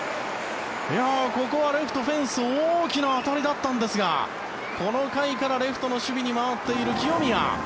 ここはレフトフェンス大きな当たりだったんですがこの回からレフトの守備に回っている清宮。